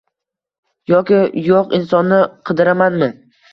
Yoki yo`q insonni qidiramanmi